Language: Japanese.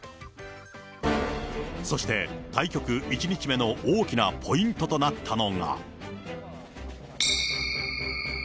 そして対局１日目の大きなポイントとなったのが。